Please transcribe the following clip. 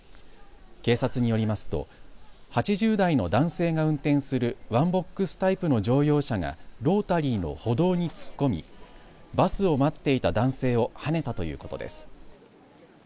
警察によりますと８０代の男性が運転するワンボックスタイプの乗用車がロータリーの歩道に突っ込みバスを待っていた男性をはねたということです。